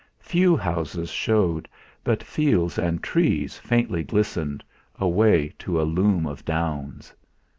Few houses showed, but fields and trees faintly glistened, away to a loom of downs.